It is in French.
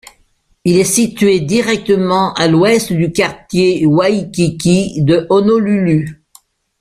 Il est situé directement à l'ouest du quartier Waikiki de Honolulu.